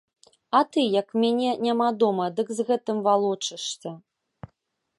А ты, як мяне няма дома, дык з гэтым валочышся!!